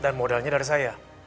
dan modalnya dari saya